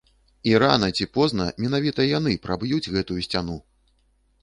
І рана ці позна менавіта яны праб'юць гэтую сцяну!